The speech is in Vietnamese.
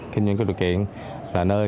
kinh doanh cơ đội kiện là nơi